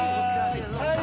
はい